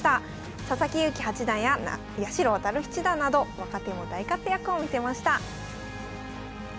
佐々木勇気八段や八代弥七段など若手も大活躍を見せました。